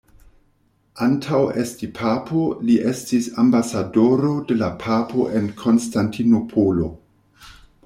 Antaŭ esti papo, li estis ambasadoro de la papo en Konstantinopolo.